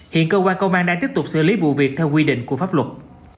hiện cơ quan công an đang tiếp tục xử lý vụ việc theo quy định của pháp luật